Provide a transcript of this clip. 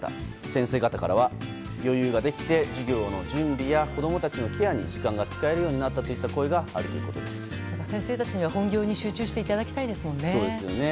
先生方からは余裕ができて授業の準備や子供たちのケアに時間が使えるようになったといった先生たちには本業に集中していただきたいですよね。